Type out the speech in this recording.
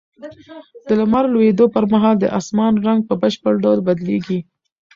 د لمر لوېدو پر مهال د اسمان رنګ په بشپړ ډول بدلېږي.